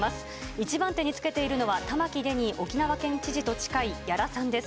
１番手につけているのは、玉城デニー沖縄県知事と近い屋良さんです。